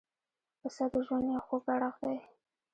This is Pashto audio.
پسه د ژوند یو خوږ اړخ دی.